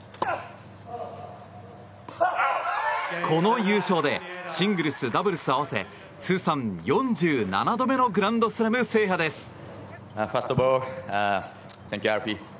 この優勝でシングルス、ダブルス合わせ通算４７度目のグランドスラム制覇です。